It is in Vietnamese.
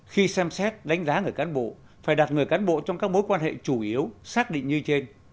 khi xem xét đánh giá người cán bộ phải đặt người cán bộ trong các mối quan hệ chủ yếu xác định như trên